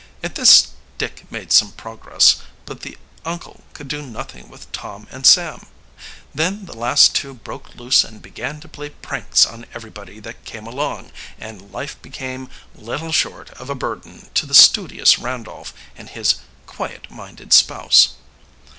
At this Dick made some progress, but the uncle could do nothing with Tom and Sam. Then the last two broke loose and began to play pranks on everybody that came along, and life became little short of a burden to the studious Randolph and, his quiet minded spouse.